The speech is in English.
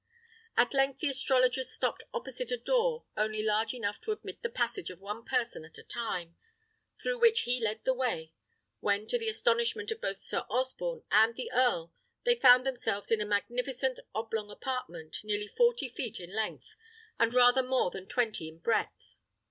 At length the astrologer stopped opposite a door only large enough to admit the passage of one person at a time, through which he led the way, when to the astonishment of both Sir Osborne and the earl, they found themselves in a magnificent oblong apartment, nearly forty feet in length, and rather more than twenty in breadth.